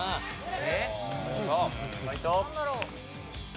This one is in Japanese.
ファイト。